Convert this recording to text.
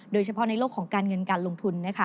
โดยเฉพาะในโลกของการเงินการลงทุน